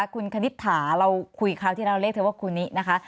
คุณคณิตถาเราคุยคราวที่เราเรียกเธอว่าคุณนินะคะ